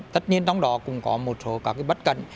tất nhiên trong đó cũng có một số các bất cẩn